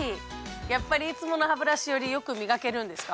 やっぱりいつものハブラシより良くみがけるんですか？